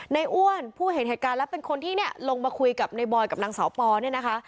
อ้วนผู้เห็นเหตุการณ์แล้วเป็นคนที่เนี่ยลงมาคุยกับในบอยกับนางสาวปอเนี่ยนะคะ